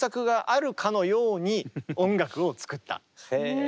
へえ。